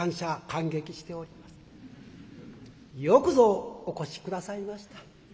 よくぞお越し下さいました。